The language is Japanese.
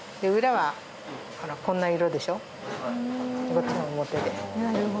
こっちが表で。